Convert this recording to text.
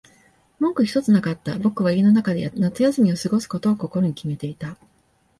文句ひとつなかった。僕は家の中で夏休みを過ごすことを心に決めていた。